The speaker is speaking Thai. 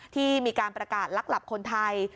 ที่มีการประกาศลักหลับคนไทย